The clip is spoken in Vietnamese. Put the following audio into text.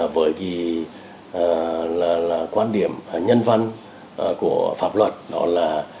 với cái quan điểm nhân văn của pháp luật đó là